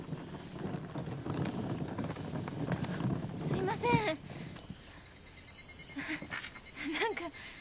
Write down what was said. すいませんなんか。